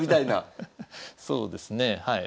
そうですねはい。